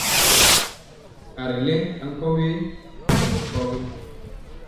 A ri lɛŋ ankɔwe nɛ mɔ kogi.